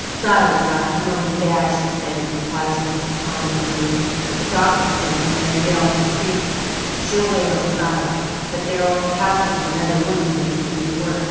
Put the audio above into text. "Zillah has got pneumonia bad," she said, in reply to Mrs. Tom's inquiries. "The Doctor is here and Mary Bell from the Creek. She'll wait on Zillah, but there'll have to be another woman here to see to the work.